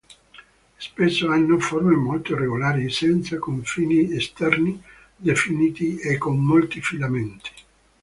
Spesso hanno forme molto irregolari, senza confini esterni definiti, e con molti filamenti.